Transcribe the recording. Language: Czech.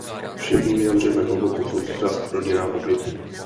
Všichni vyjadřujeme hlubokou soustrast rodinám obětí.